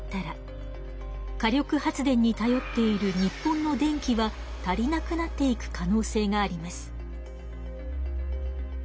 火力発電にたよっている日本の電気は足りなくなっていく可能性があります。